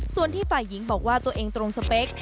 ส่วนที่ฝ่ายหญิงบอกว่าตัวเองตรงสเปค